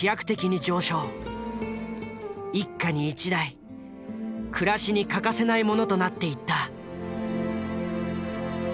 一家に一台暮らしに欠かせないものとなっていった。